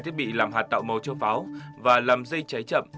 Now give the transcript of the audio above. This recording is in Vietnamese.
thiết bị làm hạt tạo màu cho pháo và làm dây cháy chậm